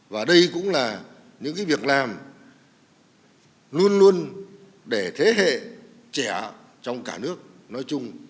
và đây cũng là những việc làm luôn luôn để thế hệ trẻ trong cả nước nói chung